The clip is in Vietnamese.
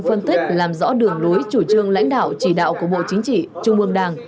phân tích làm rõ đường lối chủ trương lãnh đạo chỉ đạo của bộ chính trị trung ương đảng